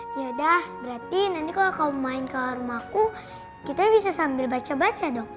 yaudah berarti nanti kalau kamu main ke rumahku kita bisa sambil baca baca dong